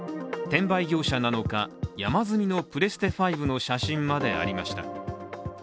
転売業者なのか、山積みのプレステ５の写真までありました。